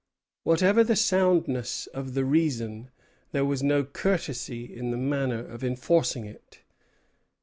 Whatever the soundness of the reason, there was no courtesy in the manner of enforcing it.